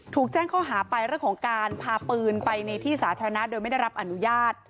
ถูกแจ้งข้อหาไปเรื่องของการพาปืนไปในที่สาธารณะโดยไม่ได้รับอนุญาต